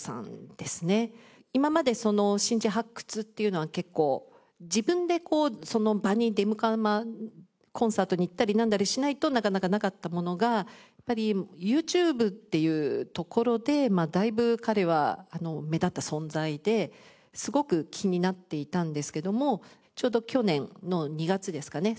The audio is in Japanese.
今まで新人発掘っていうのは結構自分でこうその場にコンサートに行ったりなんだりしないとなかなかなかったものがやっぱりＹｏｕＴｕｂｅっていうところでだいぶ彼は目立った存在ですごく気になっていたんですけどもちょうど去年の２月ですかね